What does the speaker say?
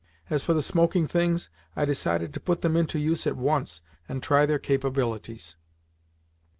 As for the smoking things, I decided to put them into use at once, and try their capabilities.